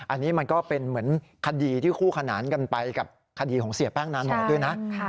อันนี้มันก็เป็นเหมือนคดีที่คู่ขนานกันไปกับคดีของเสียแป้งนานหน่อยด้วยนะ